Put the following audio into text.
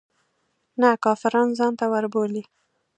نه کافران ځانته وربولي.